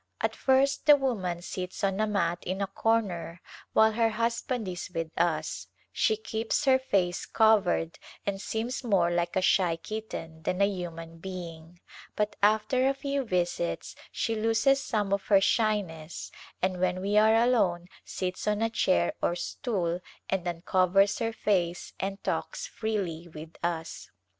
At first the woman sits on a mat in a corner while her husband is with us ; she keeps her face covered and seems more like a shy kitten than a human being, but after a {q^ visits she loses some of her shyness and when we are alone sits on a chair or stool and uncovers her face and talks freely with us.